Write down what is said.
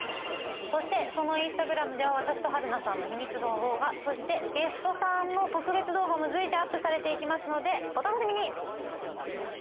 そしてそのインスタグラムでは私と春菜さんの秘密の動画そしてゲストさんの特別動画も随時アップされていきますのでお楽しみに！